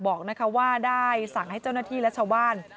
บอกว่าได้สั่งให้เจ้าหน้าที่และชาวบ้าน